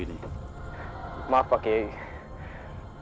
ini bukan hasil cipta manusia